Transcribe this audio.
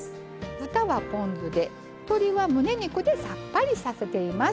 豚がポン酢で鶏は、むね肉でさっぱりさせています。